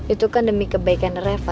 itu kan demi kebaikan reva